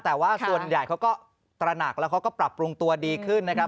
แต่ว่าส่วนใหญ่เขาก็ตระหนักแล้วเขาก็ปรับปรุงตัวดีขึ้นนะครับ